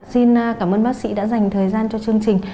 xin cảm ơn bác sĩ đã dành thời gian cho chương trình